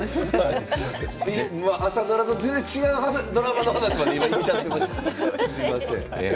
朝ドラと全然違うドラマの話にまでいっちゃいました。